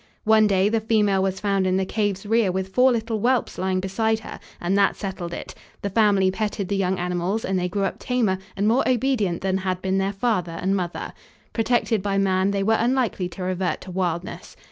One day, the female was found in the cave's rear with four little whelps lying beside her, and that settled it! The family petted the young animals and they grew up tamer and more obedient than had been their father and mother. Protected by man, they were unlikely to revert to wildness.